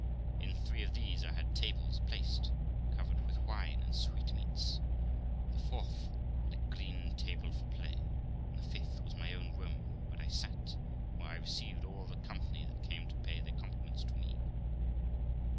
In three of these I had tables placed, covered with wine and sweetmeats, the fourth had a green table for play, and the fifth was my own room, where I sat, and where I received all the company that came to pay their compliments to me.